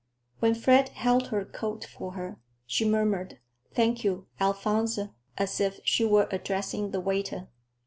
When Fred held her coat for her, she murmured, "Thank you, Alphonse," as if she were addressing the waiter.